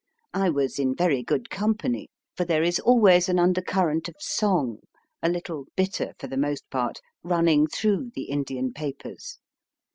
I was in very good company, for there is always an undercurrent of song, a little bitter for the most part, running through the Indian papers.